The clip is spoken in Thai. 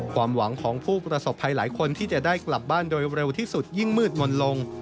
ความหวังของผู้ประสบภัยหลายคนที่จะได้กลับบ้านโดยเร็วที่สุดยิ่งมืดมนต์ลง